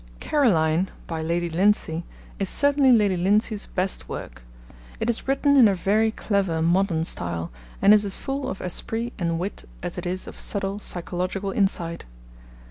Caroline, by Lady Lindsay, is certainly Lady Lindsay's best work. It is written in a very clever modern style, and is as full of esprit and wit as it is of subtle psychological insight.